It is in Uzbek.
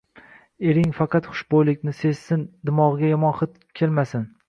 Ering faqat xushbo‘ylikni sezsin, dimog‘iga yomon hid kelmasin.